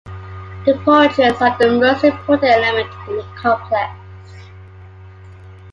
The porches are the most important element in the complex.